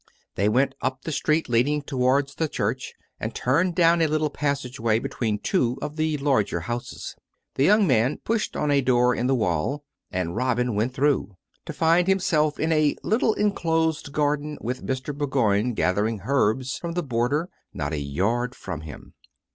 They went up the street leading towards the church, and turned down a little passage way between two of the larger houses ; the young man pushed on a door in the wall; and Robin went through, to find himself in a little enclosed garden with Mr. Bourgoign gathering herbs from the border, not a yard from him.